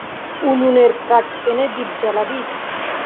উনুনের কাঠ এনে দীপ জ্বালাবি?